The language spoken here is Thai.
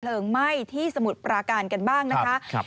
ไปดับเพลิงไหม้ที่สมุทรปลาการกันบ้างนะครับ